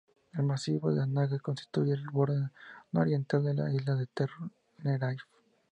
El macizo de Anaga constituye el borde nororiental de la isla de Tenerife.